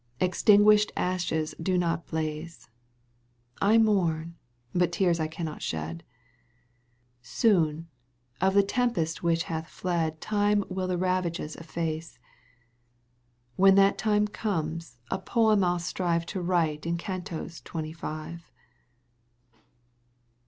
Extinguished ashes do not blaze — I moum, but tears I cannot shed —\ Soon, of the tempest which hath fled Time will the ravages eflface — When that time comes, a poem Г11 strive To write in cantos twenty five.